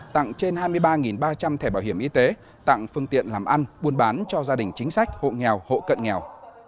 tặng trên hai mươi ba ba trăm linh thẻ bảo hiểm y tế tặng phương tiện làm ăn buôn bán cho gia đình chính sách hộ nghèo hộ cận nghèo